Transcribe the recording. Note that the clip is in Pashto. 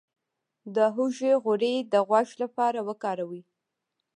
د هوږې غوړي د غوږ لپاره وکاروئ